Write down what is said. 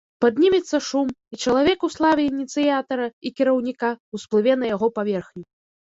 Паднімецца шум, і чалавек, у славе ініцыятара і кіраўніка, усплыве на яго паверхню.